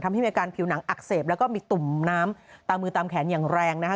ทำให้มีอาการผิวหนังอักเสบแล้วก็มีตุ่มน้ำตามมือตามแขนอย่างแรงนะคะ